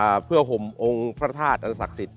อ่ะเพื่อห่วมองค์พระทาสตร์อันศักดิ์สิต